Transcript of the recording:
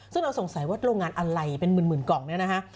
ซึ่งเราสงสัยว่าโรงงานอะไรเป็นหมื่นกล่องเนี่ยนะคะ